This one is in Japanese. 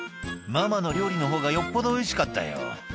「ママの料理のほうがよっぽどおいしかったよ」